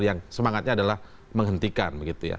yang semangatnya adalah menghentikan